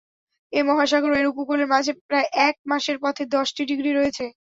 এ মহাসাগরও এর উপকূলের মাঝে প্রায় এক মাসের পথে দশটি ডিগ্রী রয়েছে।